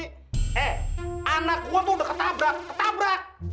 eh anak gua tuh udah ketabrak ketabrak